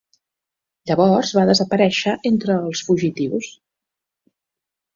Llavors va desaparèixer entre els fugitius.